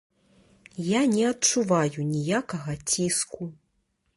Я не адчуваю ніякага ціску.